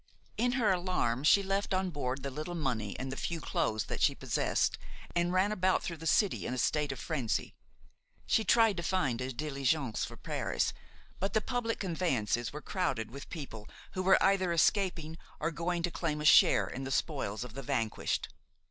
In her alarm she left on board the little money and the few clothes that she possessed, and ran about through the city in a state of frenzy. She tried to find a diligence for Paris, but the public conveyances were crowded with people who were either escaping or going to claim a share in the spoils of the vanquished.